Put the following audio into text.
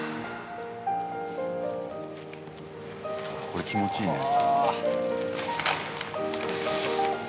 これ気持ちいいね。